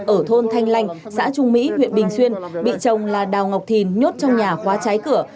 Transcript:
ở thôn thanh lanh xã trung mỹ huyện bình xuyên bị chồng là đào ngọc thìn nhốt trong nhà khóa trái cửa